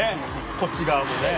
こっち側もね。